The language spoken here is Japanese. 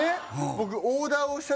僕